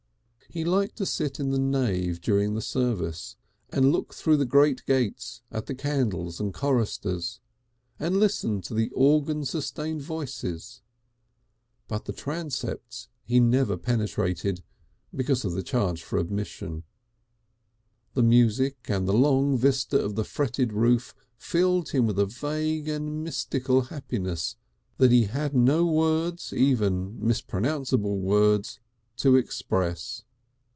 He liked to sit in the nave during the service, and look through the great gates at the candles and choristers, and listen to the organ sustained voices, but the transepts he never penetrated because of the charge for admission. The music and the long vista of the fretted roof filled him with a vague and mystical happiness that he had no words, even mispronounceable words, to express.